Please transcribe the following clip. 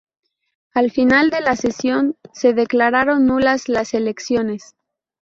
Al final de la sesión se declararon nulas las elecciones.